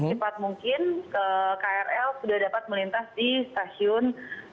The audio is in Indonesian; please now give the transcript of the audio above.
cepat mungkin ke krl sudah dapat melintas di stasiun